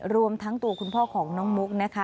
รวมทั้งตัวคุณพ่อของน้องมุกนะคะ